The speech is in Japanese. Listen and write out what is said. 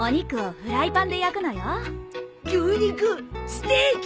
ステーキ！